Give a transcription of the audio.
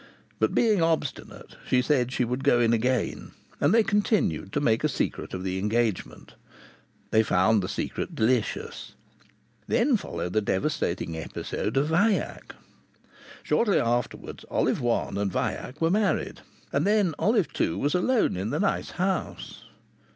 But being obstinate she said she would go in again, and they continued to make a secret of the engagement. They found the secret delicious. Then followed the devastating episode of Vaillac. Shortly afterwards Olive One and Vaillac were married, and then Olive Two was alone in the nice house.